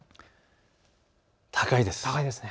高いです。